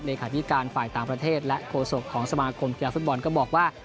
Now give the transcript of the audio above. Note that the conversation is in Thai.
หลังจากเลขาธิการฝ่ายต่างประเทศและโฆษกของสมาคมเกียรติฟุตบอลก็บอกว่า